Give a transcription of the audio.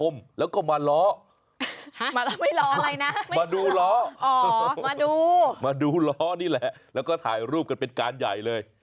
มาดูล้อนี่แหละแล้วก็ถ่ายรูปกันเป็นการใหญ่เลย